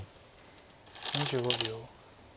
２５秒。